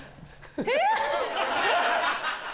えっ⁉